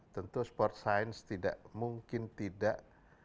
tentu sport science tidak mungkin tidak